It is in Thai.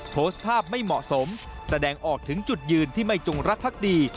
โพสต์ภาพไม่เหมาะสมแสดงออกถึงจุดยืนที่ไม่จงรักภักดี